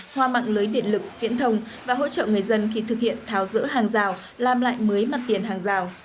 hoa mặn lưới điện lực tiễn thông và hỗ trợ người dân khi thực hiện tháo giữa hàng rào làm lại mới mặt tiền hàng rào